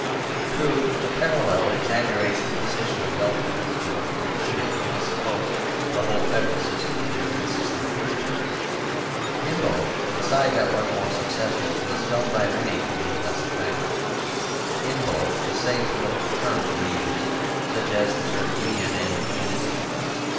True, the parallel exaggerates the position of Belfast; to complete it we must suppose the whole Federal system to have consisted of Pittsburg. In both the side that was more successful was felt by many to be less attractive. In both the same political terms were used, such as the term 'Union' and 'Unionism.'